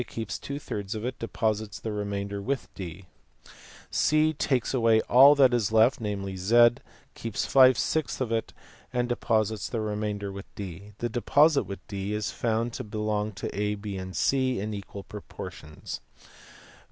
keeps two thirds of it, and deposits the remainder with D\ C takes away all that is left namely z, keeps five sixths of it, and deposits the remainder with D. This deposit with D is found to belong to A, B, and C in equal proportions.